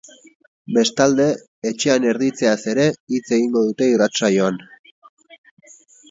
Bestalde, etxean erditzeaz ere hitz egingo dute irratsaioan.